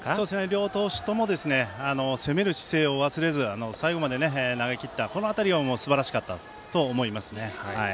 両投手とも攻める姿勢を忘れず最後まで投げきったこの辺りがすばらしかったと思います。